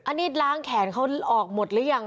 อันนี้ล้างแขนเขาออกหมดหรือยัง